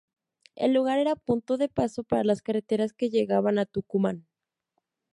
El lugar era punto de paso para las carretas que llegaban a Tucumán.